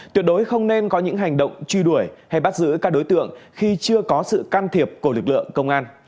tuyệt đối không nên có những hành động truy đuổi hay bắt giữ các đối tượng khi chưa có sự can thiệp của lực lượng công an